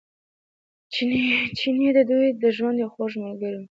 چیني د دوی د ژوند یو خوږ ملګری و.